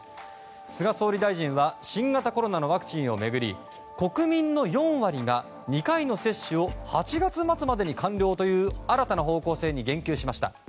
菅総理大臣は新型コロナのワクチンを巡り国民の４割が２回の接種を８月末までに完了という新たな方向性に言及しました。